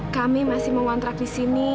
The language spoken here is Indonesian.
kami masih mau ngontrak di sini